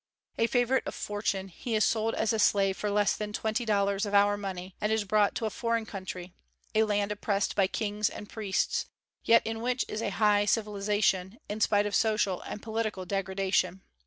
A favorite of fortune, he is sold as a slave for less than twenty dollars of our money, and is brought to a foreign country, a land oppressed by kings and priests, yet in which is a high civilization, in spite of social and political degradation.